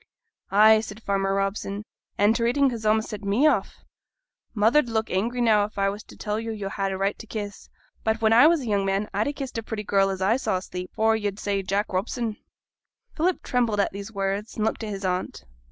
'Ay,' said Farmer Robson, 'and t' reading has a'most sent me off. Mother 'd look angry now if I was to tell yo' yo' had a right to a kiss; but when I was a young man I'd ha' kissed a pretty girl as I saw asleep, afore yo'd said Jack Robson.' Philip trembled at these words, and looked at his aunt.